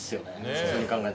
普通に考えたら。